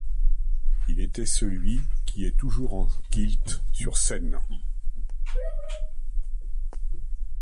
Il était celui qui est toujours en kilt sur scène.